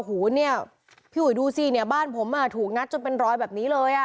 พี่ห่วยดูสิเนี่ยบ้านผมถูกงัดจนเป็นรอยแบบนี้เลย